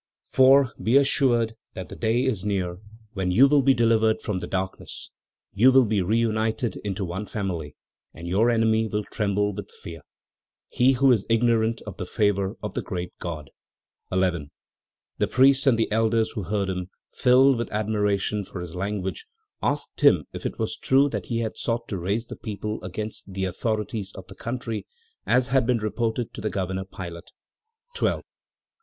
"For, be assured that the day is near when you will be delivered from the darkness; you will be reunited into one family and your enemy will tremble with fear, he who is ignorant of the favor of the great God." 11. The priests and the elders who heard him, filled with admiration for his language, asked him if it was true that he had sought to raise the people against the authorities of the country, as had been reported to the governor Pilate. 12.